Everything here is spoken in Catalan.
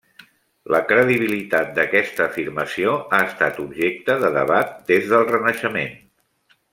La credibilitat d'aquesta afirmació ha estat objecte de debat des del Renaixement.